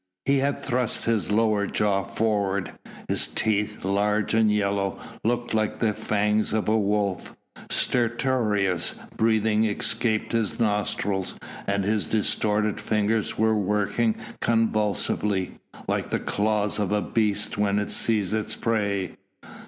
He had thrust his lower jaw forward, his teeth, large and yellow, looked like the fangs of a wolf; stertorous breathing escaped his nostrils, and his distorted fingers were working convulsively, like the claws of a beast when it sees its prey.